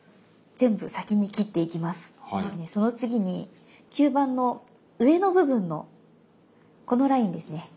その次に吸盤の上の部分のこのラインですね。